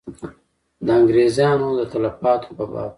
د انګرېزیانو د تلفاتو په باب.